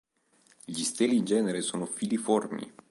Gli steli in genere sono filiformi.